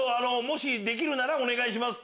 できるならお願いします！